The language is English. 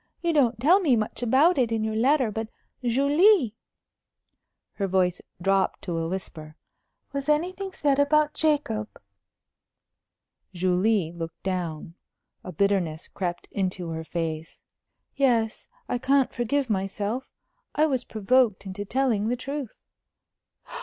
You don't tell me much about it in your letter. But, Julie" her voice dropped to a whisper "was anything said about Jacob?" Julie looked down. A bitterness crept into her face. "Yes. I can't forgive myself. I was provoked into telling the truth."